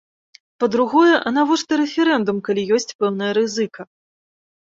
Па-другое, а навошта рэферэндум, калі ёсць пэўная рызыка.